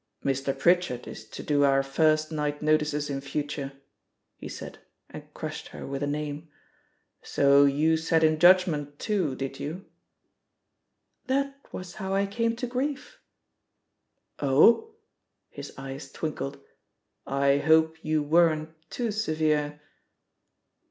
"Mr. Pritchard is to do our first night notices in future/' he said, and crushed her with a Name. "So you sat in judgment, too, did you?" "That was how I came to grief." "Oh?" His eyes twinkled. "I hope you weren't too severe?"